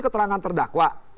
jadi keterangan terdakwa